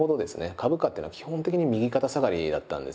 株価っていうのは基本的に右肩下がりだったんですよね。